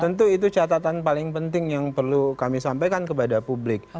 tentu itu catatan paling penting yang perlu kami sampaikan kepada publik